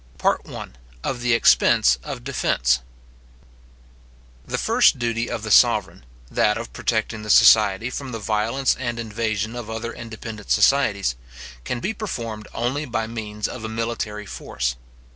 PART I. Of the Expense of Defence. The first duty of the sovereign, that of protecting the society from the violence and invasion of other independent societies, can be performed only by means of a military force.